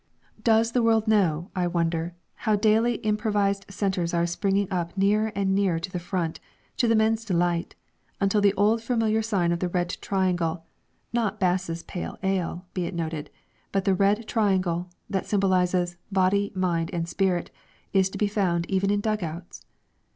Does the world know, I wonder, how daily improvised centres are springing up nearer and nearer the Front, to the men's delight, until the old familiar sign of the Red Triangle not Bass's Pale Ale, be it noted but the Red Triangle, that symbolises "Body, Mind and Spirit," is to be found even in dug outs?